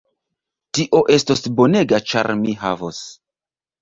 Tio estos bonega ĉar mi havos